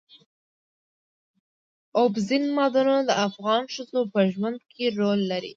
اوبزین معدنونه د افغان ښځو په ژوند کې رول لري.